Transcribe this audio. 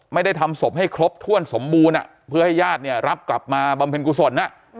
ไม่ได้ทำศพให้ครบถ้วนสมบูรณ์เพื่อให้ญาติเนี่ยรับกลับมาบำเพ็ญกุศล